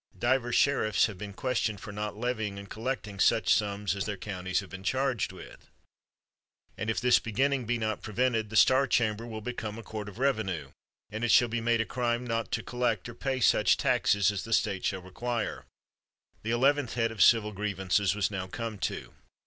Divers sheriffs have been questioned for not levying and collecting such sums as their coun ties have, been charged with ; and if this begin ning be not prevented, the star chamber will be come a court of revenue, and it shall be made a crime not to collect or pay such taxes as the State shall require! The eleventh head of civil grievances was now come to.